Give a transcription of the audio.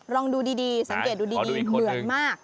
ลองดูดีสังเกตดูดีเหมือนมาก